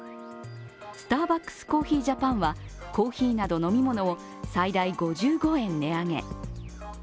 スターバックスコーヒージャパンはコーヒーなど飲み物を最大５５円値上げ。